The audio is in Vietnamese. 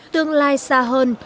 tương lai xa hơn